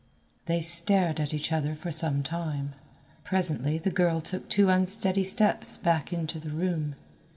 They stared at each other for some time. Presently the girl took two unsteady steps back into the room.